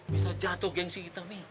bisa jatuh gengsi kita nih